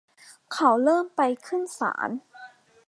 เขาเริ่มไปขึ้นศาล